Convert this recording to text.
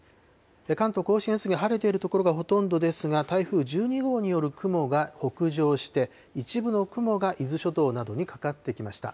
関東甲信越、晴れている所がほとんどですが、台風１２号による雲が北上して、一部の雲が伊豆諸島などにかかってきました。